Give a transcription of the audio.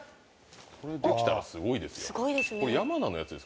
これできたらすごいですよ。